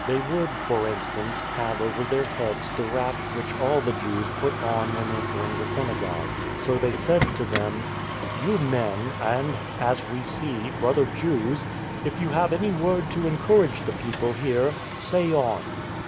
They would, for instance, have over their heads the wrap which all the Jews put on when entering the synagogue. So they said to them :" You men, and — as we see — ^brother Jews, if you have any word to encourage the people here, say on."